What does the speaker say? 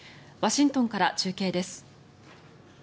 ワシントンから中継です。